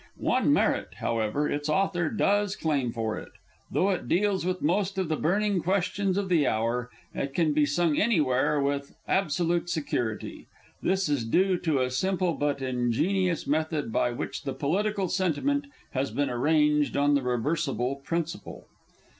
One merit, however, its author does claim for it. Though it deals with most of the burning questions of the hour, it can be sung anywhere with absolute security. This is due to a simple but ingenious method by which the political sentiment has been arranged on the reversible principle.